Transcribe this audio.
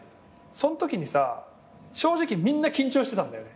そのときにさ正直みんな緊張してたんだよね。